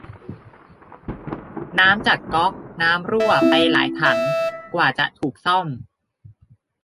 น้ำจากก๊อกน้ำรั่วไปหลายถังกว่าจะถูกซ่อม